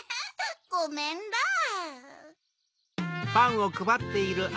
ごめんら！